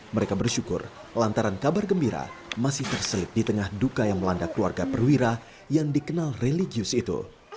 mereka bersyukur lantaran kabar gembira masih terselip di tengah duka yang melanda keluarga perwira yang dikenal religius itu